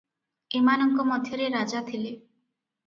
ଏମାନଙ୍କ ମଧ୍ୟରେ ରାଜା ଥିଲେ ।